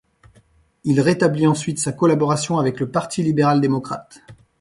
Il rétablit ensuite sa collaboration avec le Parti libéral-démocrate.